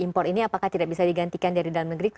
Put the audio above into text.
impor ini apakah tidak bisa digantikan dari dalam negeri